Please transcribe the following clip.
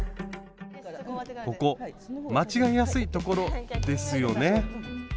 ここ間違えやすいところですよね？